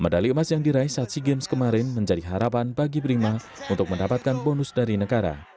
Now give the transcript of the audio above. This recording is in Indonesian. medali emas yang diraih saat sea games kemarin menjadi harapan bagi prima untuk mendapatkan bonus dari negara